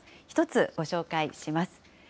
１つ、ご紹介します。